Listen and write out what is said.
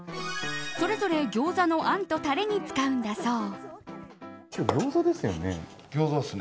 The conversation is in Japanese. それぞれギョーザのあんとタレに使うんだそう。